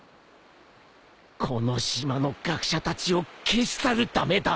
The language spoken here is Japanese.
この島の学者たちを消し去るためだ